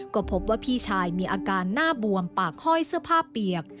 ก็พบว่าพี่ชายมีอาการหน้าบวมปากห้อยเสื้อผ้าเปียก